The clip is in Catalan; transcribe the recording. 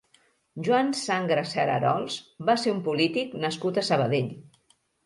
Joan Sangres Serarols va ser un polític nascut a Sabadell.